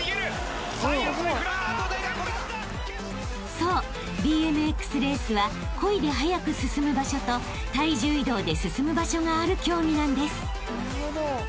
［そうＢＭＸレースはこいで速く進む場所と体重移動で進む場所がある競技なんです］